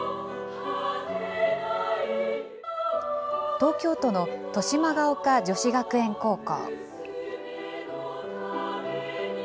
東京都の豊島岡女子学園高校。